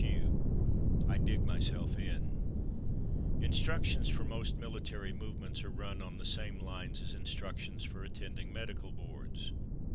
Q. — I DIG MYSELF IN Instructions for most military movements are run on the same lines as instructions for attending Medical Boards.